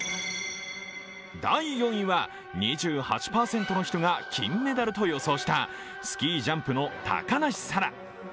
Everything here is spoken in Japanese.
第４位は２８％の人が金メダルと予想したスキージャンプの高梨沙羅。